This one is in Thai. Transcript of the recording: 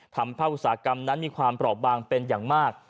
ภาคอุตสาหกรรมนั้นมีความเปราะบางเป็นอย่างมาก